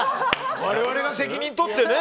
我々が責任取ってね。